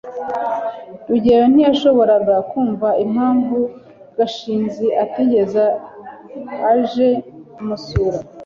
rugeyo ntiyashoboraga kumva impamvu gashinzi atigeze aje kumusura